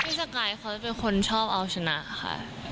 สกายเขาเป็นคนชอบเอาชนะค่ะ